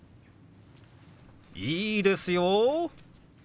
いいですよ！